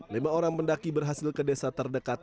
lima orang mendaki berhasil ke desa terdekat